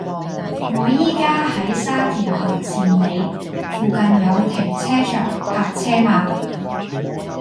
我依家喺沙田行善里，附近有停車場泊車嗎